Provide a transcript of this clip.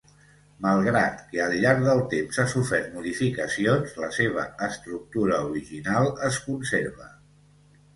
Malgrat que al llarg del temps ha sofert modificacions, la seva estructura original es conserva.